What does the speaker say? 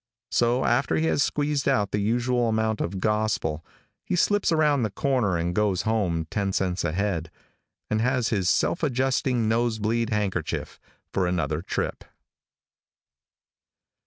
So after he has squeezed out the usual amount of gospel, he slips around the corner and goes home ten cents ahead, and has his self adjusting nose bleed handkerchief for another trip.